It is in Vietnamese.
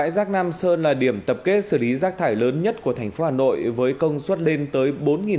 rác nam sơn là điểm tập kết xử lý rác thải lớn nhất của thành phố hà nội với công suất lên tới bốn